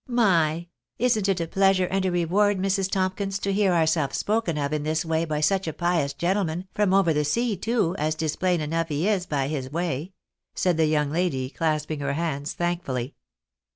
" My ! Isn't it a pleasure and a reward, Mrs. Tomkins, to hear ourselves spoken of in this way by such a pious gentleman, from over the sea too, as 'tis plain enough he is by his way ?" said the young lady, clasping her hands thankfully.